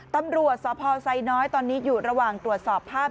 ตำรวจสพไซน้อยตอนนี้อยู่ระหว่างตรวจสอบภาพ